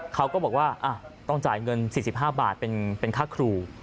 เขาก็บอกว่าต้องจ่ายเงิน๔๕บาทเป็นค่าครู